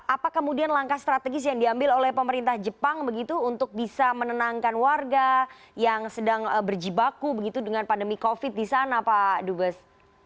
apa kemudian langkah strategis yang diambil oleh pemerintah jepang begitu untuk bisa menenangkan warga yang sedang berjibaku begitu dengan pandemi covid di sana pak dubes